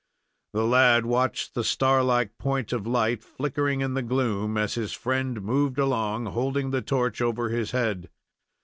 The lad watched the star like point of light flickering in the gloom as his friend moved along, holding the torch over his head.